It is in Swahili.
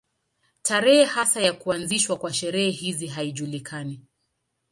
Tarehe hasa ya kuanzishwa kwa sherehe hizi haijulikani.